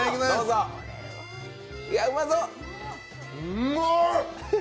うまーい！